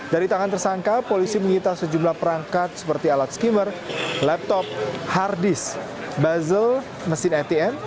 dari tangan tersangka polisi menyita sejumlah perangkat seperti alat skimmer laptop hard disk buzzle mesin atm